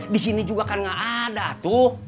disini juga kan gak ada tuh